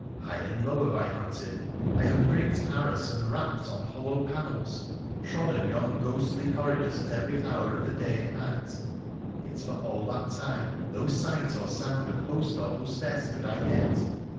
High and low have I hunted, I have pricked arras and rapped on hollow panels, trodden yon ghostly corridors at every hour of the day and night, yet for all that time no sight or sound of host or hostess could I get.